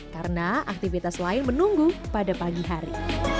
karena aktivitas lain menunggu pada pagi hari